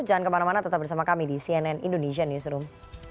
jangan kemana mana tetap bersama kami di cnn indonesia newsroom